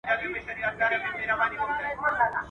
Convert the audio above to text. تر چړې ئې لاستی دروند سو.